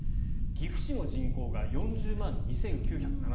岐阜市の人口が４０万２９７０人。